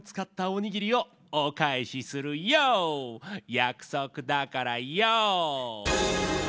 やくそくだからヨー！